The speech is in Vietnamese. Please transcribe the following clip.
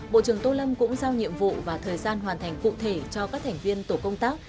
bộ trưởng tô lâm cũng giao nhiệm vụ và thời gian hoàn thành cụ thể cho các thành viên tổ công tác